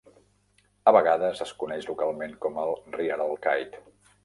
A vegades es coneix localment com el "rierol Kyte".